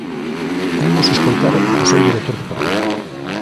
Imos escoitar o seu director deportivo.